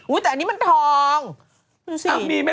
อู้ยแต่อันนี้มันทอง